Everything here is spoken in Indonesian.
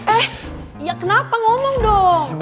eh ya kenapa ngomong dong